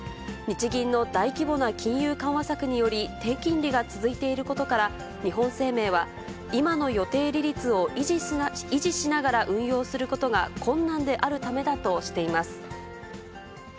日銀の大規模な金融緩和策により、低金利が続いていることから、日本生命は、今の予定利率を維持しながら運用することが困難であるためだとしています。